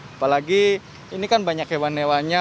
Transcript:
apalagi ini kan banyak hewan hewannya